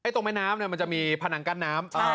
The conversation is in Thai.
ตรงแม่น้ำมันจะมีผนังกั้นน้ำ